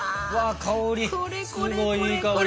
香りすごいいい香り。